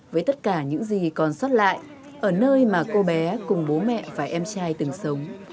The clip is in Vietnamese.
với tất cả những gì còn sót lại ở nơi mà cô bé cùng bố mẹ và em trai từng sống